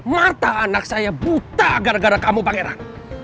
mata anak saya buta gara gara kamu pangeran